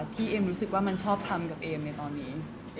เอมรู้สึกว่ามันชอบทำกับเอมในตอนนี้